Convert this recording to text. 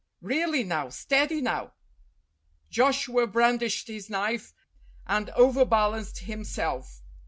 Really now. Steady now." Joshua brandished his knife and overbalanced him self.